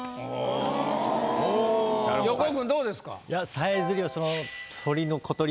横尾君どうですか？